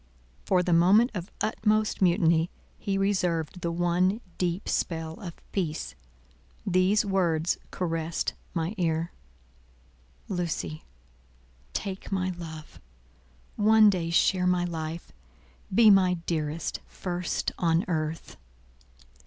For the moment of utmost mutiny, he reserved the one deep spell of peace. These words caressed my ear:— "Lucy, take my love. One day share my life. Be my dearest, first on earth."